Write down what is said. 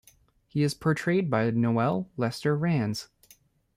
He is portrayed by Noel Lester Rands.